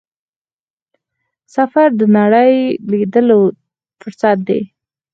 سفر د نړۍ لیدلو فرصت دی.